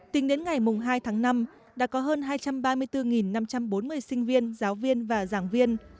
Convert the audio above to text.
tính đến ngày hai tháng năm đã có hơn hai trăm ba mươi bốn năm trăm bốn mươi sinh viên giáo viên và giảng viên